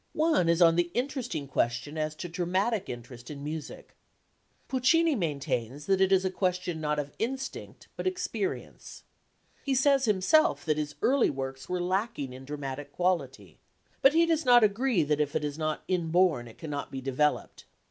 One is on the interesting question as to dramatic instinct in music. Puccini maintains that it is a question not of instinct but experience. He says himself that his early works were lacking in dramatic quality, but he does not agree that if it is not inborn it cannot be developed.